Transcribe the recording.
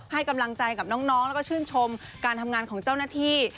ให้กำลังใจกับน้องแล้วก็ชื่นชมการทำงานของเจ้าหน้าที่